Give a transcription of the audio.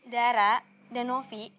dara dan novi